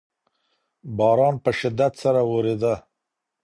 باران په شدت سره ورېده.